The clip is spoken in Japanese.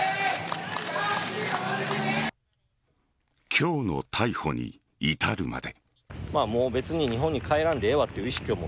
今日の逮捕に至るまで。